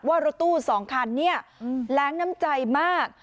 ว่ารถตู้สองคันเนี้ยอืมแร้งน้ำใจมาก